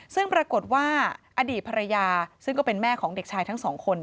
ซึ่งปรากฏว่าอดีตภรรยาซึ่งก็เป็นแม่ของเด็กชายทั้งสองคน